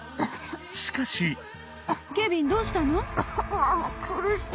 しかしケビンどうしたの？